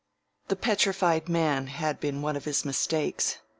The Petrified Man had been one of his mistakes.